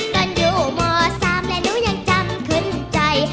ตอนอยู่ม๓และหนูยังจำขึ้นใจ